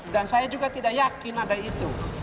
dan saya juga tidak yakin ada itu